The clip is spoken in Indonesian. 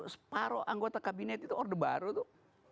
separuh anggota kabinet itu orde baru tuh